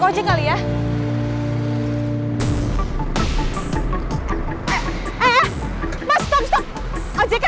pikir dia tukang mojek